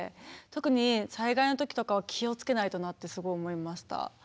特に災害の時とかは気を付けないとなってすごい思いました。